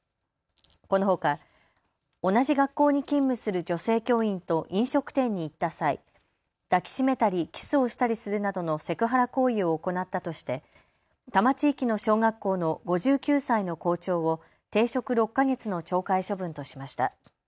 このほか同じ学校に勤務する女性教員と飲食店に行った際、抱きしめたりキスをしたりするなどのセクハラ行為を行ったとして多摩地域の小学校の５９歳の校長を停職６か月の懲戒処分としました。